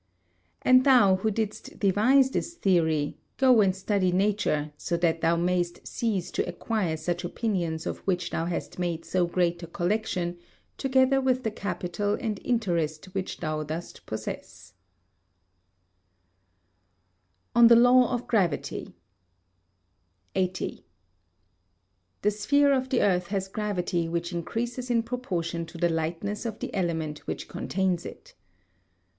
And thou who didst devise this theory, go and study nature, so that thou mayst cease to acquire such opinions of which thou hast made so great a collection, together with the capital and interest which thou dost possess. [Sidenote: On the Law of Gravity] 80. The sphere of the earth has gravity which increases in proportion to the lightness of the element which contains it.